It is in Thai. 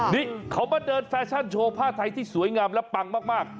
นี่เขามาเดินแฟชั่นโชว์ผ้าไทยที่สวยงามและปังมาก